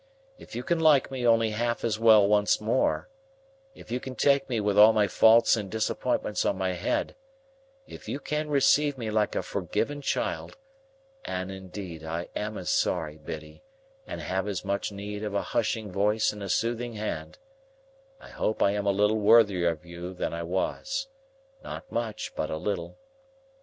If you can like me only half as well once more, if you can take me with all my faults and disappointments on my head, if you can receive me like a forgiven child (and indeed I am as sorry, Biddy, and have as much need of a hushing voice and a soothing hand), I hope I am a little worthier of you that I was,—not much, but a little.